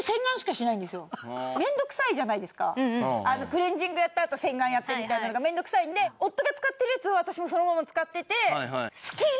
クレンジングやったあと洗顔やってみたいなのが面倒くさいんで夫が使ってるやつを私もそのまま使ってて。